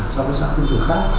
so với xã khu vực khác